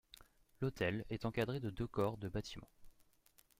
L'hôtel est encadré de deux corps de bâtiments.